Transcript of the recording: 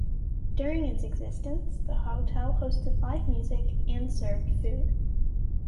During its existence, the hotel hosted live music and served food.